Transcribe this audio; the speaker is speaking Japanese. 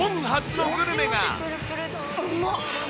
うまっ。